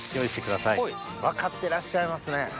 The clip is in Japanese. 分かってらっしゃいますね